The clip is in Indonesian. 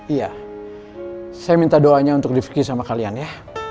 iya saya minta doanya untuk refee sama kalian ya